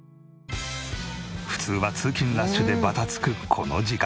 普通は通勤ラッシュでバタつくこの時間。